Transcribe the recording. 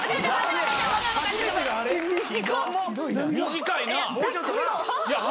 短いなぁ。